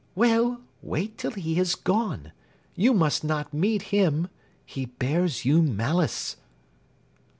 "Well, wait till he has gone. You must not meet him. He bears you malice."